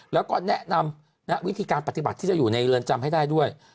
แล้วก็แนะนำวิธีการปฏิบัติที่จะอยู่ในเรือนจำให้ได้ด้วย